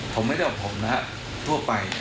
ผมไม่ได้ว่าผมนะทั่วไป